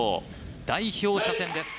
代表者戦です。